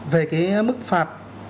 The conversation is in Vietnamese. về cái mức phạt